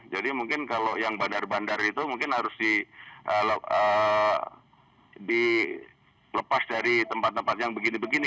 jadi mungkin kalau yang bandar bandar itu mungkin harus dilepas dari tempat tempat yang begini begini